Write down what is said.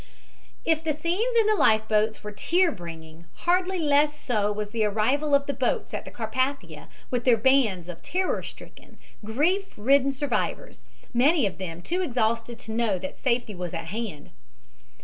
IF the scenes in the life boats were tear bringing, hardly less so was the arrival of the boats at the Carpathia with their bands of terror stricken, grief ridden survivors, many of them too exhausted to know that safety was at hand.